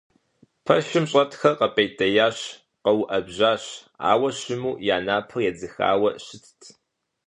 Пэшым щӀэтхэр къэпӀейтеящ, къэуӀэбжьащ, ауэ щыму, я напӀэр едзыхауэ щытт.